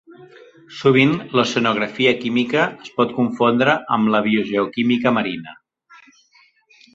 Sovint l'oceanografia química es pot confondre amb la biogeoquímica marina.